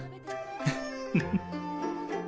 フッフフ。